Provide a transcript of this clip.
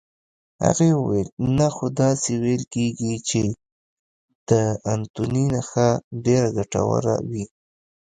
هغې وویل: نه، خو داسې ویل کېږي چې د انتوني نخښه ډېره ګټوره وي.